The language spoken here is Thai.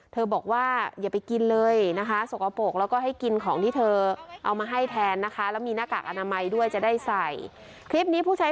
บอกว่าอย่าไปกินเลยนะคะสกปรกแล้วก็ให้กินของที่เธอเอามาให้แทนนะคะแล้วมีหน้ากากอนามัยด้วยจะได้ใส่คลิปนี้ผู้ใช้